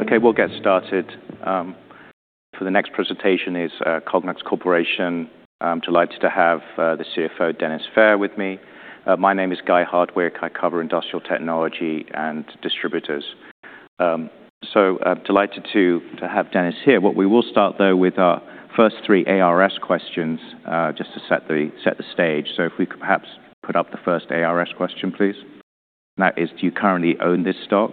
Okay, we'll get started. For the next presentation is Cognex Corporation. I'm delighted to have the CFO, Dennis Fehr, with me. My name is Guy Hardwick. I cover industrial technology and distributors. So I'm delighted to have Dennis here. What we will start, though, with our first three ARS questions, just to set the stage. So if we could perhaps put up the first ARS question, please. That is, do you currently own this stock?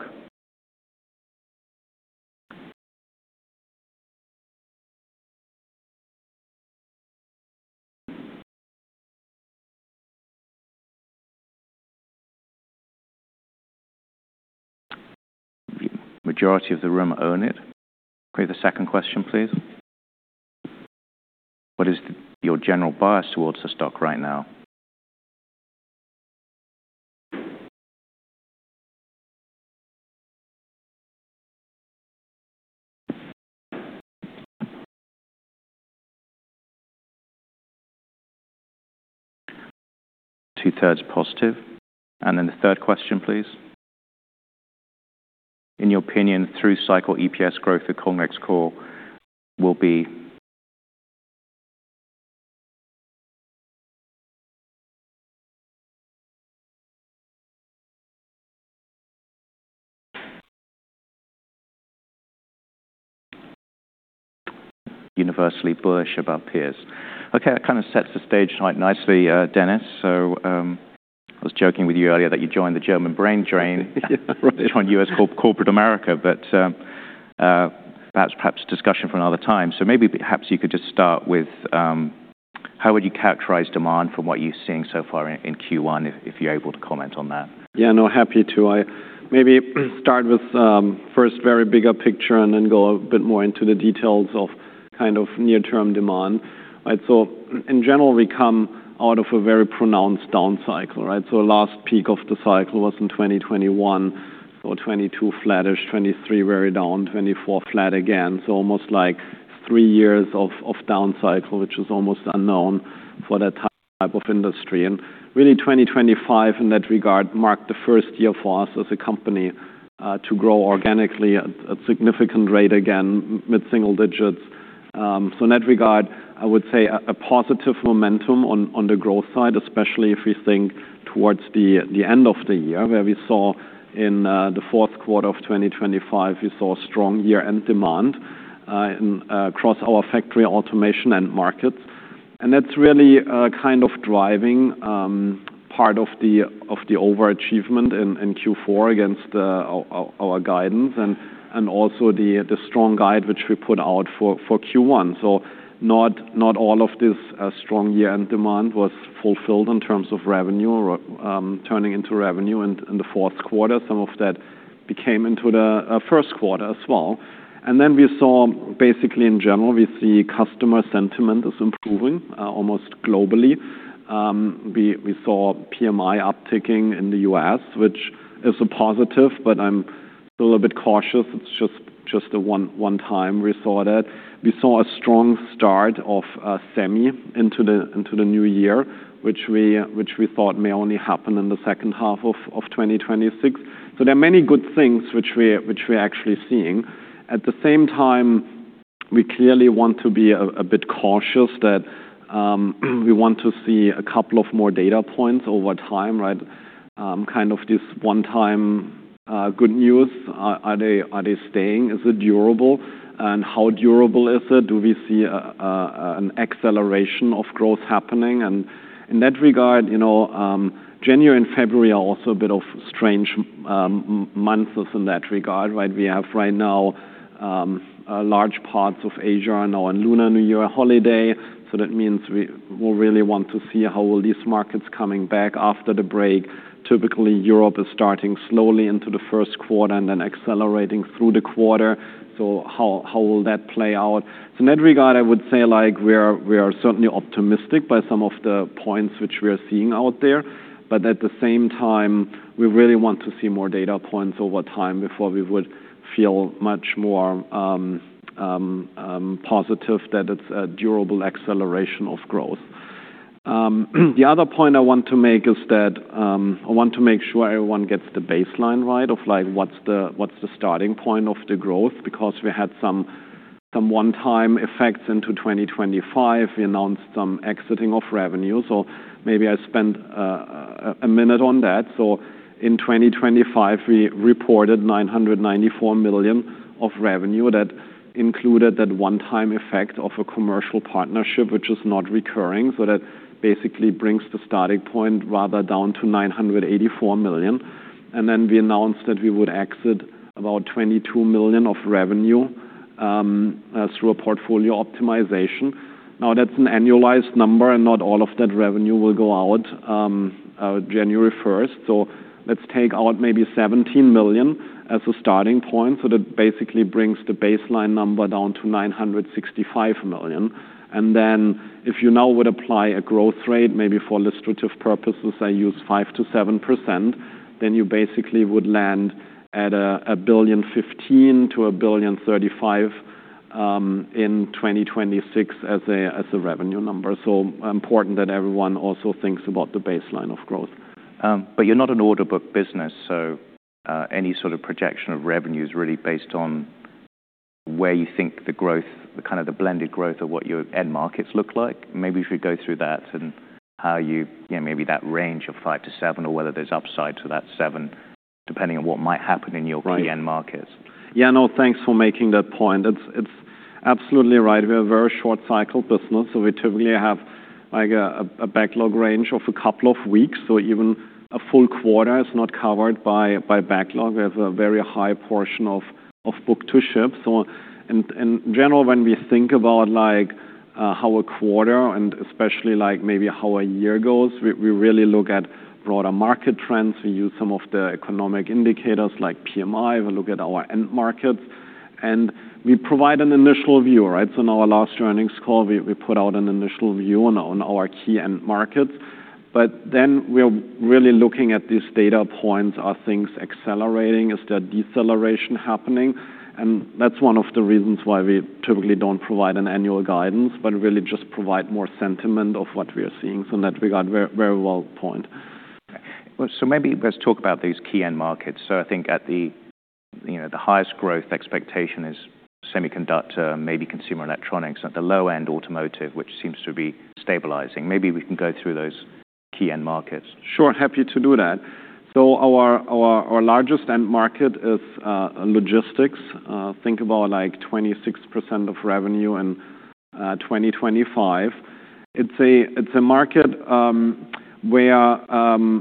Majority of the room own it. Okay, the second question, please. What is your general bias towards the stock right now? Two-thirds positive. And then the third question, please. In your opinion, through cycle EPS growth at Cognex Corp will be... universally bullish about peers. Okay, that kind of sets the stage quite nicely, Dennis. So, I was joking with you earlier that you joined the German brain drain. Right. Joined U.S. corporate America, but that's perhaps a discussion for another time. So maybe perhaps you could just start with how would you characterize demand from what you're seeing so far in Q1, if you're able to comment on that? Yeah, no, happy to. I maybe start with, first, very bigger picture and then go a bit more into the details of kind of near-term demand, right? So in general, we come out of a very pronounced down cycle, right? So last peak of the cycle was in 2021 or 2022- flattish, 2023- very down, 2024- flat again. So almost like three years of down cycle, which is almost unknown for that type of industry. And really, 2025, in that regard, marked the first year for us as a company, to grow organically at a significant rate again, mid single digits. In that regard, I would say a positive momentum on the growth side, especially if we think towards the end of the year, where we saw in the fourth quarter of 2025, we saw strong year-end demand across our factory automation end markets. That's really kind of driving part of the overachievement in Q4 against our guidance and also the strong guide which we put out for Q1. Not all of this strong year-end demand was fulfilled in terms of revenue or turning into revenue in the fourth quarter. Some of that became into the first quarter as well. We saw basically, in general, we see customer sentiment is improving almost globally. We saw PMI upticking in the U.S., which is a positive, but I'm still a bit cautious. It's just the one time we saw that. We saw a strong start of semi into the new year, which we thought may only happen in the second half of 2026. So there are many good things which we are actually seeing. At the same time, we clearly want to be a bit cautious that we want to see a couple of more data points over time, right? Kind of this one time good news, are they staying? Is it durable? And how durable is it? Do we see an acceleration of growth happening? In that regard, you know, January and February are also a bit of strange months in that regard, right? We have right now large parts of Asia are now on Lunar New Year holiday, so that means we really want to see how will these markets coming back after the break. Typically, Europe is starting slowly into the first quarter and then accelerating through the quarter. So how will that play out? So in that regard, I would say, like, we are certainly optimistic by some of the points which we are seeing out there, but at the same time, we really want to see more data points over time before we would feel much more positive that it's a durable acceleration of growth. The other point I want to make is that, I want to make sure everyone gets the baseline right of, like, what's the, what's the starting point of the growth? Because we had some one-time effects into 2025. We announced some exiting of revenue, so maybe I spend a minute on that. So in 2025, we reported $994 million of revenue. That included that one-time effect of a commercial partnership, which is not recurring. So that basically brings the starting point rather down to $984 million. And then we announced that we would exit about $22 million of revenue through a portfolio optimization. Now, that's an annualized number, and not all of that revenue will go out January first. So let's take out maybe $17 million as a starting point. That basically brings the baseline number down to $965 million. Then if you now would apply a growth rate, maybe for illustrative purposes, I use 5%-7%, then you basically would land at a $1.015 billion-$1.035 billion in 2026 as a revenue number. Important that everyone also thinks about the baseline of growth. But you're not an order book business, so any sort of projection of revenue is really based on where you think the growth, the kind of the blended growth of what your end markets look like. Maybe if you go through that and how you, you know, maybe that range of 5-7, or whether there's upside to that 7, depending on what might happen in your- Right -end markets. Yeah, no, thanks for making that point. It's absolutely right. We have a very short cycle business, so we typically have, like, a backlog range of a couple of weeks. So even a full quarter is not covered by backlog. We have a very high portion of book to ship. So in general, when we think about, like, how a quarter and especially like maybe how a year goes, we really look at broader market trends. We use some of the economic indicators like PMI. We look at our end markets, and we provide an initial view, right? So in our last earnings call, we put out an initial view on our key end markets. But then we're really looking at these data points. Are things accelerating? Is there deceleration happening? That's one of the reasons why we typically don't provide an annual guidance, but really just provide more sentiment of what we are seeing. In that regard, very, very well pointed. Well, so maybe let's talk about these key end markets. So I think at the, you know, the highest growth expectation is semiconductor, maybe consumer electronics. At the low end, automotive, which seems to be stabilizing. Maybe we can go through those key end markets. Sure, happy to do that. So our largest end market is logistics. Think about, like, 26% of revenue in 2025. It's a market where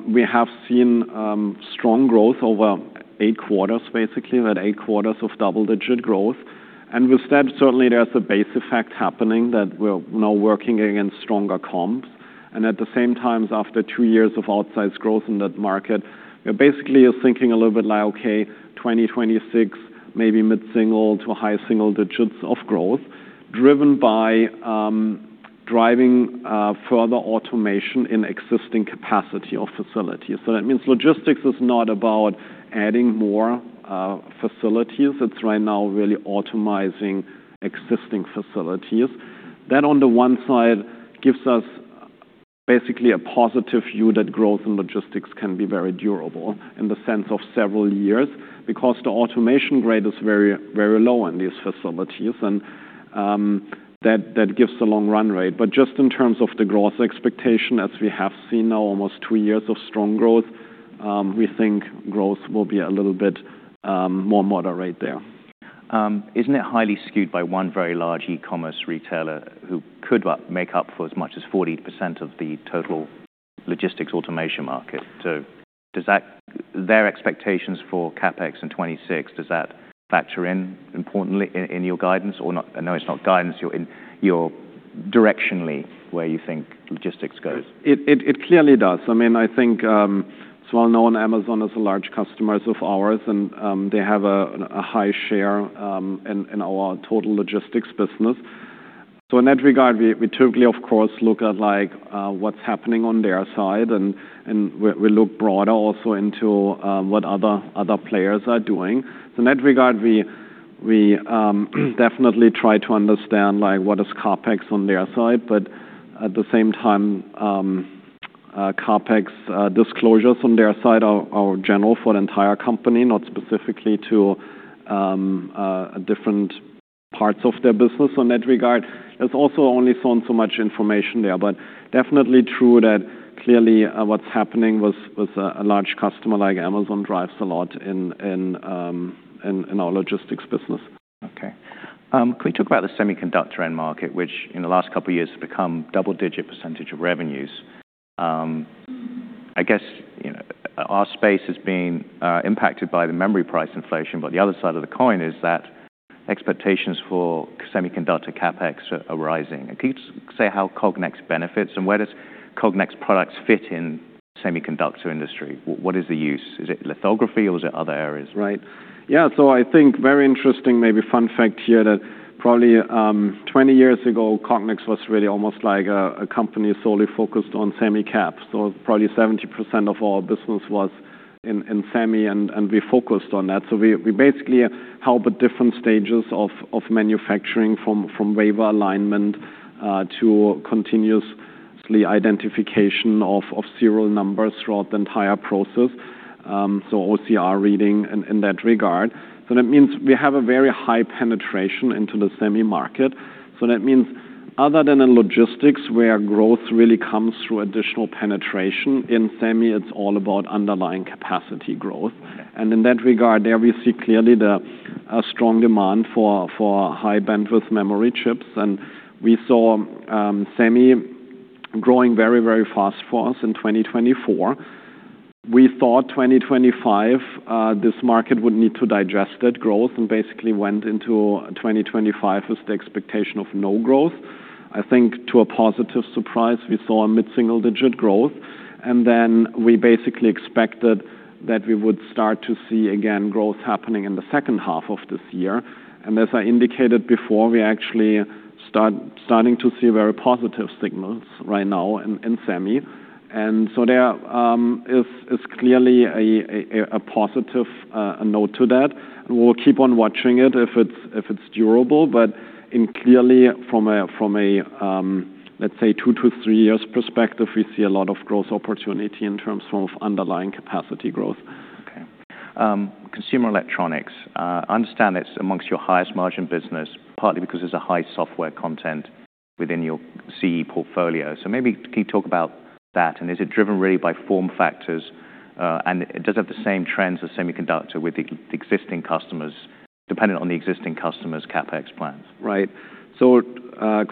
we have seen strong growth over eight quarters, basically, that eight quarters of double-digit growth. And with that, certainly, there's a base effect happening that we're now working against stronger comps. And at the same time, after two years of outsized growth in that market, you know, basically, you're thinking a little bit like, okay, 2026, maybe mid-single to high single digits of growth, driven by driving further automation in existing capacity of facilities. So that means logistics is not about adding more facilities. It's right now really automating existing facilities. That, on the one side, gives us basically a positive view that growth in logistics can be very durable in the sense of several years, because the automation rate is very, very low in these facilities, and, that, that gives a long run rate. But just in terms of the growth expectation, as we have seen now almost 2 years of strong growth, we think growth will be a little bit, more moderate there. Isn't it highly skewed by one very large e-commerce retailer who could make up for as much as 40% of the total logistics automation market? So does that, their expectations for CapEx in 2026, does that factor in importantly in your guidance or not? I know it's not guidance, you're directionally where you think logistics goes. It clearly does. I mean, I think, it's well known Amazon is a large customers of ours, and, they have a high share in our total logistics business. So in that regard, we typically, of course, look at like what's happening on their side, and we look broader also into what other players are doing. So in that regard, we definitely try to understand, like, what is CapEx on their side, but at the same time, CapEx disclosures on their side are general for the entire company, not specifically to different parts of their business. So in that regard, there's also only so and so much information there. Definitely true that clearly, what's happening with a large customer like Amazon drives a lot in our logistics business. Okay. Can we talk about the semiconductor end market, which in the last couple of years, have become double-digit percentage of revenues? I guess, you know, our space has been impacted by the memory price inflation, but the other side of the coin is that expectations for semiconductor CapEx are rising. Can you say how Cognex benefits, and where does Cognex products fit in semiconductor industry? What is the use? Is it lithography or is it other areas? Right. Yeah, so I think very interesting, maybe fun fact here, that probably 20 years ago, Cognex was really almost like a, a company solely focused on semicon. So probably 70% of our business was in semi, and we focused on that. So we basically help at different stages of manufacturing, from wafer alignment to continuous identification of serial numbers throughout the entire process, so OCR reading in that regard. So that means we have a very high penetration into the semi market. So that means other than in logistics, where growth really comes through additional penetration, in semi, it's all about underlying capacity growth. And in that regard, there we see clearly the strong demand for high-bandwidth memory chips, and we saw semi growing very, very fast for us in 2024. We thought 2025, this market would need to digest that growth and basically went into 2025 with the expectation of no growth. I think, to a positive surprise, we saw a mid-single-digit growth. Then we basically expected that we would start to see, again, growth happening in the second half of this year. And as I indicated before, we actually starting to see very positive signals right now in Semi. And so there is clearly a positive note to that. We'll keep on watching it if it's durable. But clearly from a, let's say, two to three years perspective, we see a lot of growth opportunity in terms of underlying capacity growth. Okay. Consumer electronics, I understand it's among your highest margin business, partly because there's a high software content within your CE portfolio. So maybe can you talk about that, and is it driven really by form factors? And it does have the same trends as semiconductor with the existing customers, dependent on the existing customers' CapEx plans. Right. So,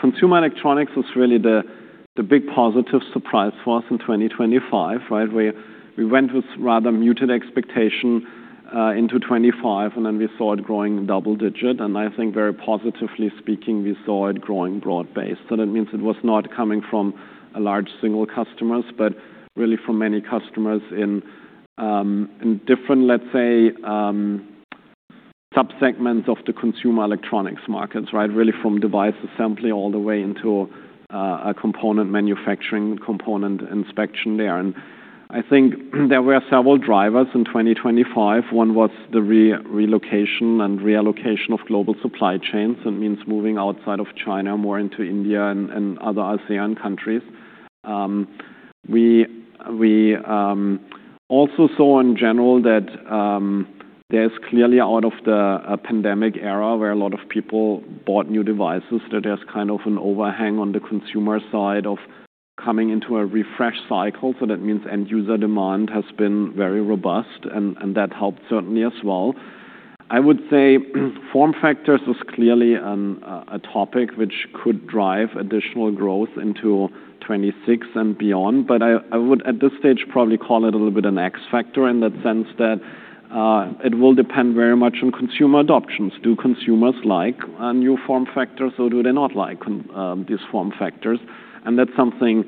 consumer electronics was really the, the big positive surprise for us in 2025, right? Where we went with rather muted expectation into 2025, and then we saw it growing double-digit. And I think very positively speaking, we saw it growing broad-based. So that means it was not coming from a large single customers, but really from many customers in different, let's say, subsegments of the consumer electronics markets, right? Really from device assembly all the way into a component manufacturing, component inspection there. And I think there were several drivers in 2025. One was the re-location and reallocation of global supply chains. That means moving outside of China, more into India and other ASEAN countries. We also saw in general that there's clearly out of the pandemic era, where a lot of people bought new devices, that there's kind of an overhang on the consumer side of coming into a refresh cycle. So that means end user demand has been very robust, and that helped certainly as well. I would say, form factors is clearly a topic which could drive additional growth into 2026 and beyond. But I would, at this stage, probably call it a little bit an X factor in that sense that it will depend very much on consumer adoptions. Do consumers like a new form factor or do they not like these form factors? And that's something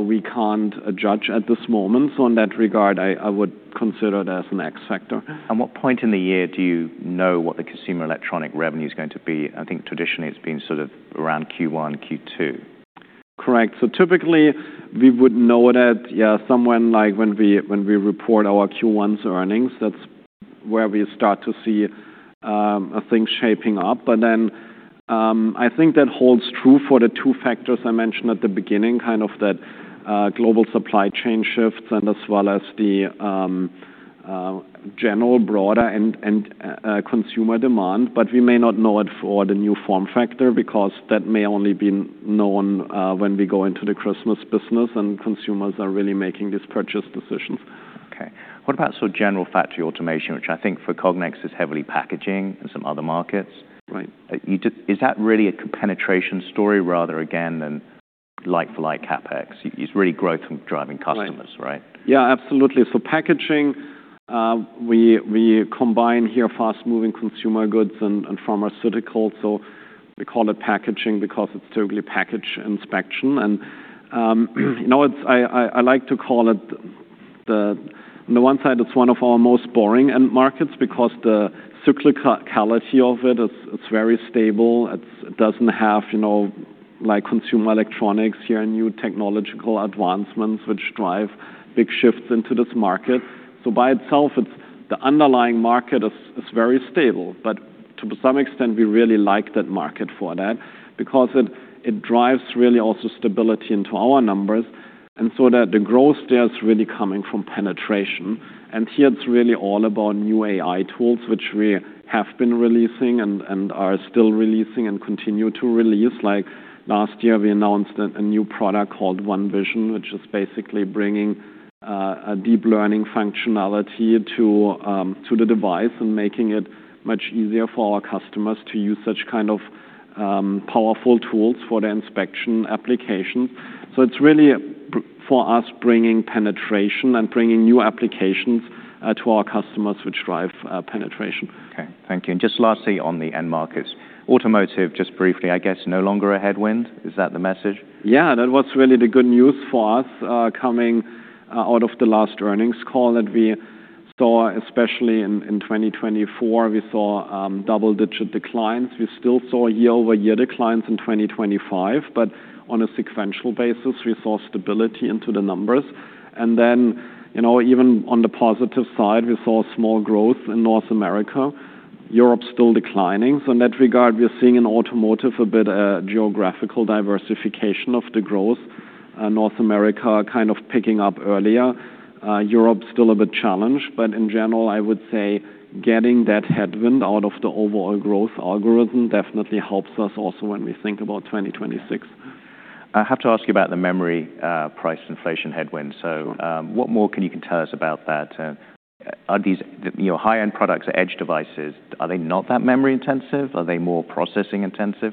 we can't judge at this moment. So in that regard, I would consider it as an X factor. What point in the year do you know what the consumer electronics revenue is going to be? I think traditionally, it's been sort of around Q1, Q2. Correct. So typically, we would know that, yeah, someone like when we, when we report our Q1's earnings, that's where we start to see things shaping up. But then, I think that holds true for the two factors I mentioned at the beginning, kind of that global supply chain shifts and as well as the general broader and consumer demand. But we may not know it for the new form factor because that may only be known when we go into the Christmas business and consumers are really making these purchase decisions. Okay. What about general factory automation, which I think for Cognex is heavily packaging and some other markets? Right. Is that really a penetration story rather, again, than like for like CapEx? It's really growth and driving customers, right? Right. Yeah, absolutely. So packaging, we combine here fast-moving consumer goods and pharmaceuticals. So we call it packaging because it's typically package inspection. And, you know, it's on the one side, it's one of our most boring end markets because the cyclicality of it is, it's very stable. It doesn't have, you know, like consumer electronics, here are new technological advancements which drive big shifts into this market. So by itself, the underlying market is very stable. But to some extent, we really like that market for that because it drives really also stability into our numbers, and so that the growth there is really coming from penetration. And here it's really all about new AI tools, which we have been releasing and are still releasing and continue to release. Like last year, we announced a new product called Uncertain, which is basically bringing a deep learning functionality to the device and making it much easier for our customers to use such kind of powerful tools for the inspection application. So it's really, for us, bringing penetration and bringing new applications to our customers, which drive penetration. Okay, thank you. Just lastly, on the end markets. Automotive, just briefly, I guess, no longer a headwind. Is that the message? Yeah, that was really the good news for us, coming out of the last earnings call that we saw, especially in 2024, we saw double-digit declines. We still saw year-over-year declines in 2025, but on a sequential basis, we saw stability into the numbers. And then, you know, even on the positive side, we saw small growth in North America. Europe is still declining. So in that regard, we're seeing in automotive a bit geographical diversification of the growth. North America kind of picking up earlier. Europe is still a bit challenged, but in general, I would say getting that headwind out of the overall growth algorithm definitely helps us also when we think about 2026. I have to ask you about the memory price inflation headwind. So, what more can you tell us about that? Are these, you know, high-end products or edge devices, are they not that memory intensive? Are they more processing intensive?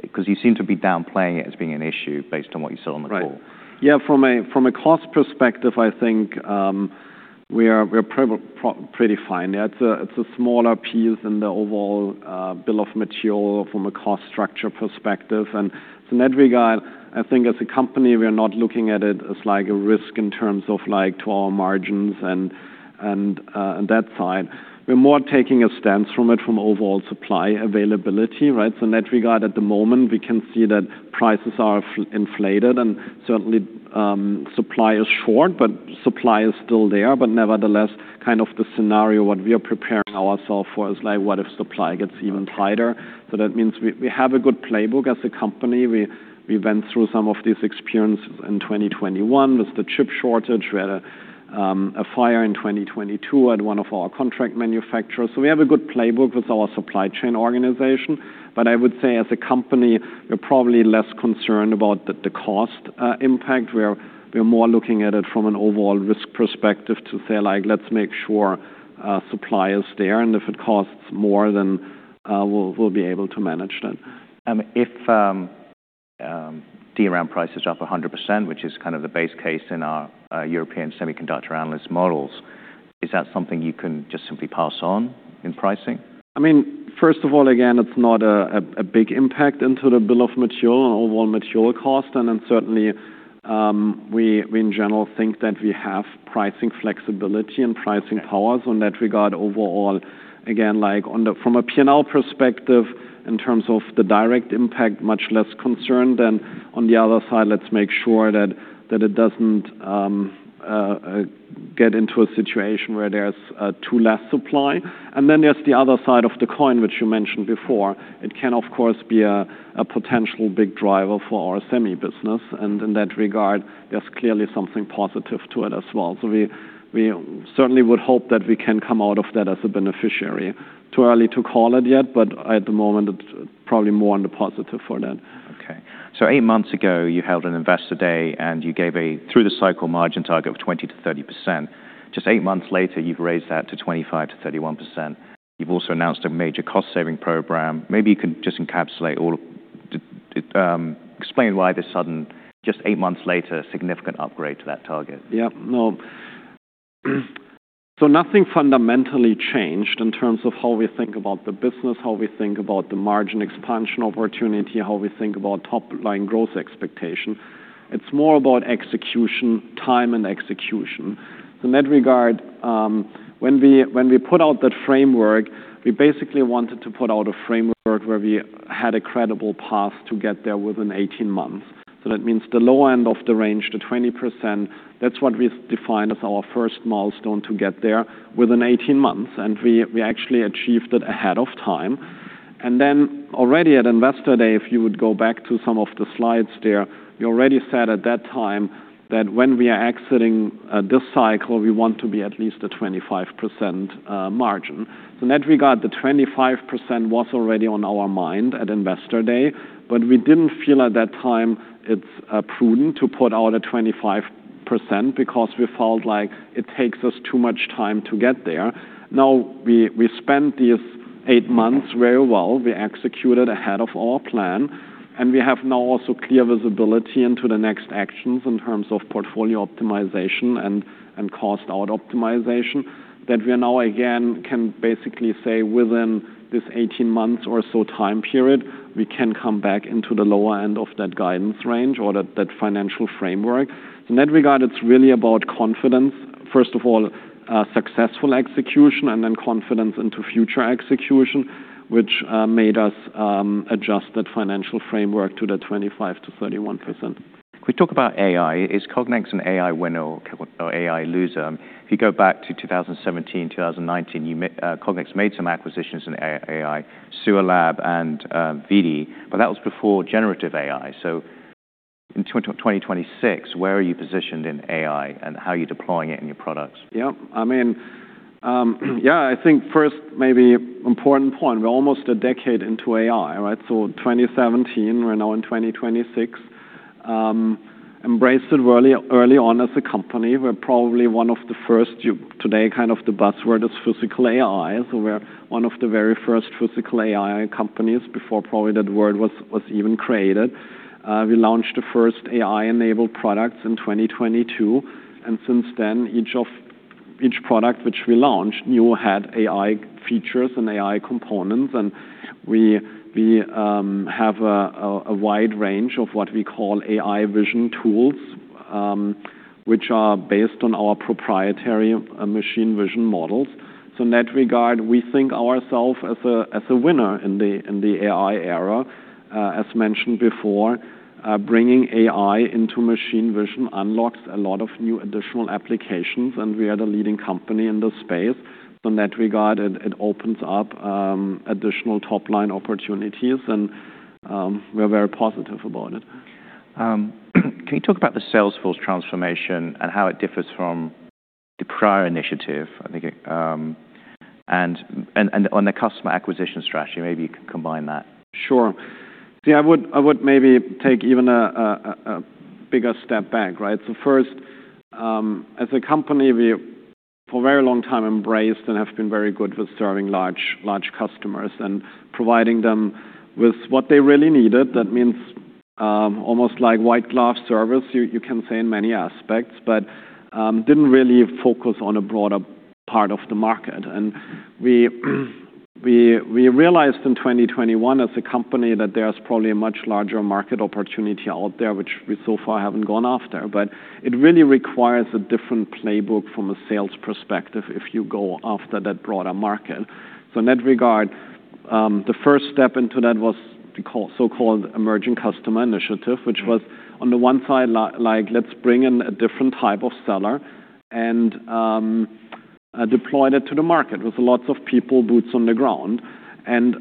Because you seem to be downplaying it as being an issue based on what you saw on the call. Right. Yeah, from a cost perspective, I think we're pretty fine. Yeah, it's a smaller piece in the overall bill of material from a cost structure perspective. And so in that regard, I think as a company, we are not looking at it as like a risk in terms of like to our margins and on that side. We're more taking a stance from it from overall supply availability, right? So in that regard, at the moment, we can see that prices are inflated, and certainly supply is short, but supply is still there. But nevertheless, kind of the scenario what we are preparing ourself for is like what if supply gets even tighter? So that means we have a good playbook as a company. We went through some of this experience in 2021 with the chip shortage. We had a fire in 2022 at one of our contract manufacturers. So we have a good playbook with our supply chain organization. But I would say as a company, we're probably less concerned about the cost impact, we're more looking at it from an overall risk perspective to say, like, "Let's make sure supply is there, and if it costs more, then we'll be able to manage that. If DRAM price is up 100%, which is kind of the base case in our European semiconductor analyst models, is that something you can just simply pass on in pricing? I mean, first of all, again, it's not a big impact into the bill of material, overall material cost, and then certainly, we in general think that we have pricing flexibility and pricing powers on that regard overall. Again, like, on the—from a P&L perspective, in terms of the direct impact, much less concerned than on the other side. Let's make sure that it doesn't get into a situation where there's too less supply. And then there's the other side of the coin, which you mentioned before. It can, of course, be a potential big driver for our semi business, and in that regard, there's clearly something positive to it as well. So we certainly would hope that we can come out of that as a beneficiary. Too early to call it yet, but at the moment, it's probably more on the positive for that. Okay. So eight months ago, you held an investor day, and you gave a through-the-cycle margin target of 20%-30%. Just eight months later, you've raised that to 25%-31%. You've also announced a major cost-saving program. Maybe you could just encapsulate all, explain why this sudden, just eight months later, significant upgrade to that target? Yeah. No. So nothing fundamentally changed in terms of how we think about the business, how we think about the margin expansion opportunity, how we think about top-line growth expectation. It's more about execution, time and execution. So in that regard, when we, when we put out that framework, we basically wanted to put out a framework where we had a credible path to get there within 18 months. So that means the low end of the range to 20%, that's what we've defined as our first milestone to get there within 18 months, and we, we actually achieved it ahead of time. And then already at Investor Day, if you would go back to some of the slides there, we already said at that time that when we are exiting, this cycle, we want to be at least a 25%, margin. So in that regard, the 25% was already on our mind at Investor Day, but we didn't feel at that time it's prudent to put out a 25% because we felt like it takes us too much time to get there. Now, we spent these eight months very well. We executed ahead of our plan, and we have now also clear visibility into the next actions in terms of portfolio optimization and cost out optimization, that we are now again can basically say within this 18 months or so time period, we can come back into the lower end of that guidance range or that financial framework. In that regard, it's really about confidence. First of all, successful execution and then confidence into future execution, which made us adjust that financial framework to the 25%-31%. If we talk about AI, is Cognex an AI winner or AI loser? If you go back to 2017, 2019, Cognex made some acquisitions in AI, SUALAB and ViDi, but that was before generative AI. So in 2026, where are you positioned in AI, and how are you deploying it in your products? Yep. I mean, yeah, I think first, maybe important point, we're almost a decade into AI, right? So 2017, we're now in 2026, embraced it early, early on as a company. We're probably one of the first... Today, kind of the buzzword is physical AI, so we're one of the very first physical AI companies before probably that word was, was even created. We launched the first AI-enabled products in 2022, and since then, each of—each product which we launched, new had AI features and AI components, and we, we, have a, a, a wide range of what we call AI vision tools, which are based on our proprietary, machine vision models. So in that regard, we think ourself as a, as a winner in the, in the AI era. As mentioned before, bringing AI into machine vision unlocks a lot of new additional applications, and we are the leading company in this space. So in that regard, it opens up additional top-line opportunities, and we're very positive about it. Can you talk about the sales force transformation and how it differs from the prior initiative? I think, and on the customer acquisition strategy, maybe you can combine that. Sure. See, I would maybe take even a bigger step back, right? So first, as a company, we've, for a very long time, embraced and have been very good with serving large customers and providing them with what they really needed. That means almost like white glove service, you can say in many aspects, but didn't really focus on a broader part of the market. We realized in 2021 as a company that there's probably a much larger market opportunity out there, which we so far haven't gone after. But it really requires a different playbook from a sales perspective if you go after that broader market. So in that regard, the first step into that was the so-called emerging customer initiative, which was on the one side, like, let's bring in a different type of seller and, deploy it to the market with lots of people, boots on the ground. And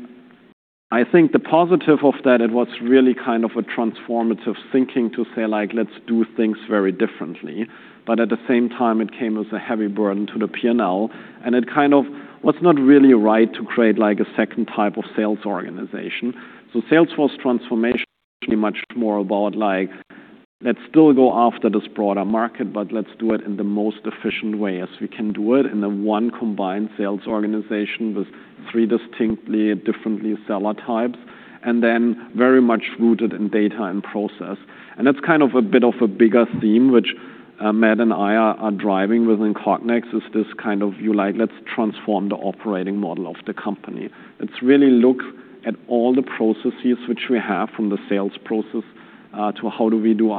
I think the positive of that, it was really kind of a transformative thinking to say, like, "Let's do things very differently." But at the same time, it came as a heavy burden to the P&L, and it kind of was not really right to create like a second type of sales organization. So sales force transformation pretty much more about like, let's still go after this broader market, but let's do it in the most efficient way as we can do it, in a one combined sales organization with three distinctly differently seller types, and then very much rooted in data and process. And that's kind of a bit of a bigger theme, which, Bob and I are driving within Cognex, is this kind of view, like, let's transform the operating model of the company. Let's really look at all the processes which we have from the sales process, to how do we do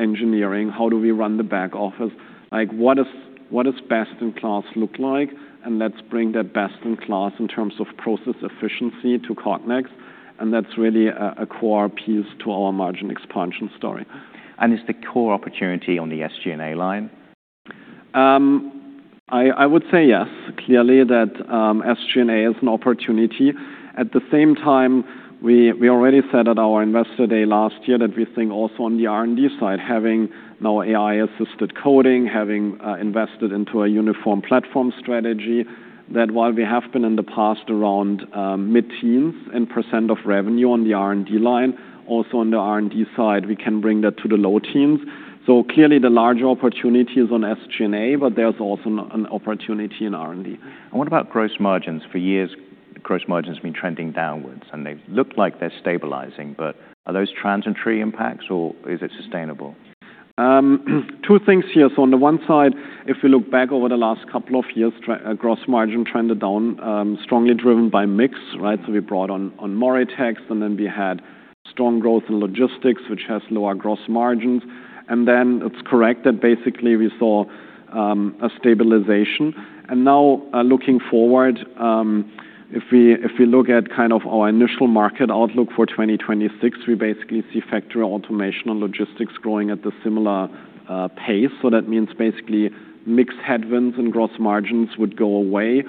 engineering, how do we run the back office? Like, what does best-in-class look like? And let's bring that best-in-class in terms of process efficiency to Cognex, and that's really a core piece to our margin expansion story. Is the core opportunity on the SG&A line? I would say yes, clearly, that SG&A is an opportunity. At the same time, we already said at our Investor Day last year that we think also on the R&D side, having now AI-assisted coding, having invested into a uniform platform strategy, that while we have been in the past around mid-teens % of revenue on the R&D line, also on the R&D side, we can bring that to the low teens. So clearly, the larger opportunity is on SG&A, but there's also an opportunity in R&D. What about gross margins? For years, gross margins have been trending downward, and they've looked like they're stabilizing, but are those transitory impacts or is it sustainable? Two things here. So on the one side, if we look back over the last couple of years, gross margin trended down, strongly driven by mix, right? So we brought on Moritex, and then we had strong growth in logistics, which has lower gross margins. And then it's correct that basically we saw a stabilization. And now, looking forward, if we look at kind of our initial market outlook for 2026, we basically see factory automation and logistics growing at a similar pace. So that means basically mixed headwinds and gross margins would go away.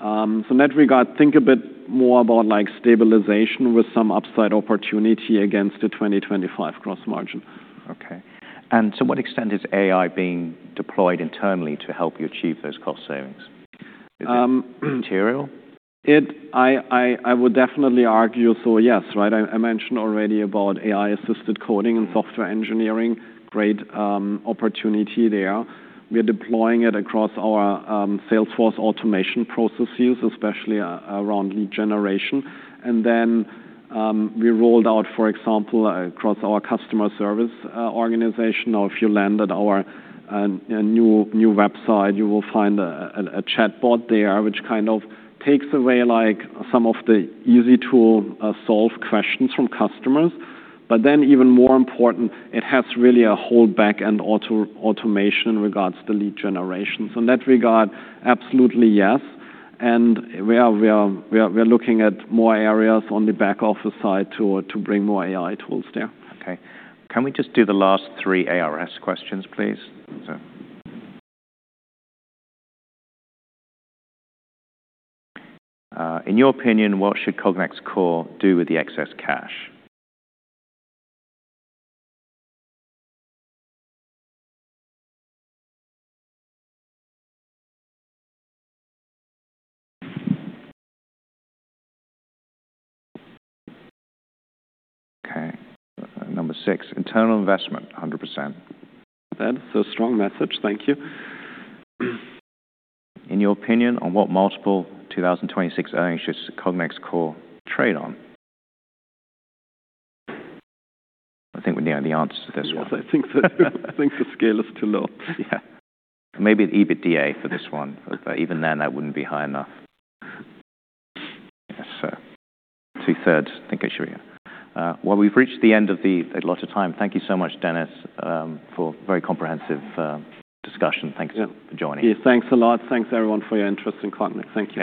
So in that regard, think a bit more about like stabilization with some upside opportunity against the 2025 gross margin. Okay. And to what extent is AI being deployed internally to help you achieve those cost savings? Material? I would definitely argue so, yes, right? I mentioned already about AI-assisted coding and software engineering. Great opportunity there. We are deploying it across our sales force automation processes, especially around lead generation. And then we rolled out, for example, across our customer service organization, or if you land at our new website, you will find a chatbot there, which kind of takes away like some of the easy-to-solve questions from customers. But then, even more important, it has really a whole back-end automation in regards to lead generation. So in that regard, absolutely, yes, and we are looking at more areas on the back office side to bring more AI tools there. Okay. Can we just do the last three ARS questions, please? So, in your opinion, what should Cognex Corp do with the excess cash? Okay, number six, internal investment, 100%. That's a strong message. Thank you. In your opinion, on what multiple 2026 earnings should Cognex Corp trade on? I think we know the answer to this one. Yes, I think so. I think the scale is too low. Yeah. Maybe the EBITDA for this one, but even then, that wouldn't be high enough. Yes, so two-thirds, I think I show you. Well, we've reached the end of the allotted time. Thank you so much, Dennis, for a very comprehensive discussion. Yeah. Thanks for joining. Yeah. Thanks a lot. Thanks, everyone, for your interest in Cognex. Thank you.